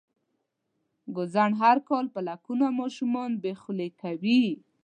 ګوزڼ هر کال په لکونو ماشومان بې خولې کوي.